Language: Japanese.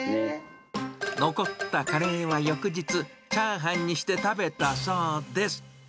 残ったカレーは翌日、チャーハンにして食べたそうです。